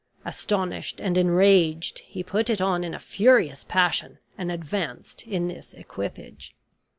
Astonished and enraged, he put it on in a furious passion, and advanced in this equipage.